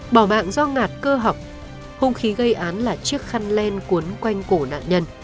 bỏ bạn do ngạt cơ học hung khí gây án là chiếc khăn len cuốn quanh cổ nạn nhân